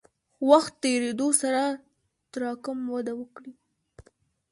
وخت تېرېدو سره تراکم وده وکړه.